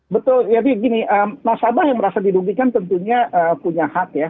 betul jadi gini nasabah yang merasa dirugikan tentunya punya hak ya